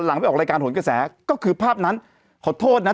ไปออกรายการหนกระแสก็คือภาพนั้นขอโทษนะ